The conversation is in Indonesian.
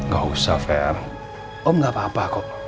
gak usah fair oh gak apa apa kok